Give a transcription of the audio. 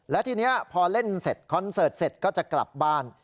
และทีนี้พอเล่นเสร็จคอนเสิร์ตเสร็จก็จะกลับบ้าน